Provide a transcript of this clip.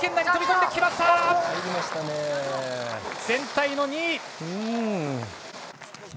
全体の２位。